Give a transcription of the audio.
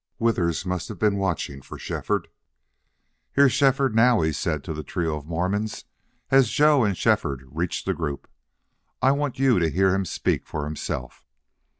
Withers must have been watching for Shefford. "Here's Shefford now," he said to the trio of Mormons, as Joe and Shefford reached the group. "I want you to hear him speak for himself."